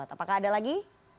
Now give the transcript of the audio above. apakah ada lagi